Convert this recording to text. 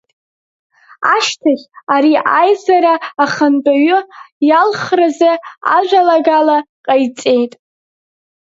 Ашьҭахь ари аизара ахантәаҩы иалхразы ажәалагала ҟаиҵеит.